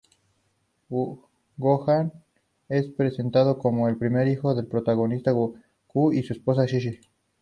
Gohan es presentado como el primer hijo del protagonista Goku y su esposa Chi-Chi.